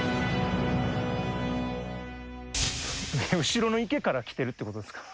後ろの池から来てるってことですか？